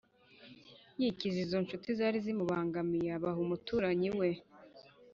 yikiza izo ncuti zari zimubangamiye abaha umuturanyi we?